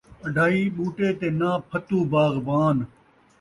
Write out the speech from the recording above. اڈھائی ٻوٹے تے ناں پھتو باغبان